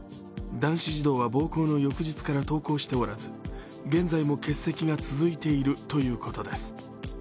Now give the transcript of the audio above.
男子児童は暴行の翌日から登校しておらず、現在も欠席が続いているということです。